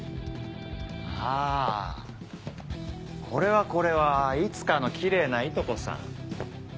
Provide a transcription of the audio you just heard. あぁこれはこれはいつかのキレイないとこさん。